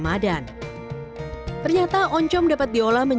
mereka menderita nonggo becomes bahan naik oleh oppren